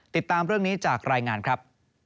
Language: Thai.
ติดตามเรื่องนี้จากรายงานครับ